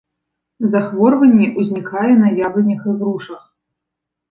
Захворванне ўзнікае на яблынях і грушах.